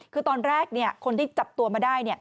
คือตอนแรกคนที่จับตัวมาได้